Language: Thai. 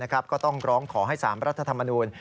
ก็ต้องร้องขอให้๓รัฐธรรมนูล